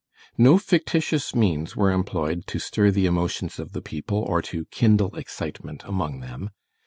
No fictitious means were employed to stir the emotions of the people or to kindle excitement among them.